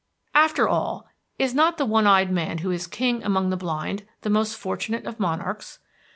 After all, is not the one eyed man who is king among the blind the most fortunate of monarchs?